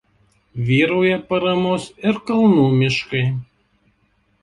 Vyrauja paramos ir kalnų miškai.